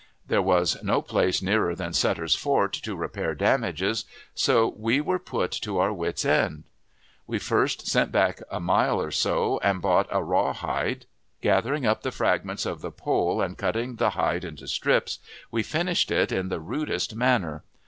There was no place nearer than Sutter's Fort to repair damages, so we were put to our wits' end. We first sent back a mile or so, and bought a raw hide. Gathering up the fragments of the pole and cutting the hide into strips, we finished it in the rudest manner.